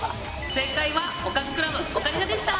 正解はおかずクラブオカリナでした。